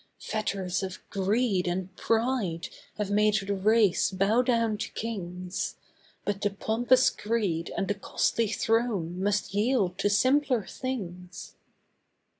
Fetters of greed and pride have made the race bow down to kings; But the pompous creed and the costly throne must yield to simpler things.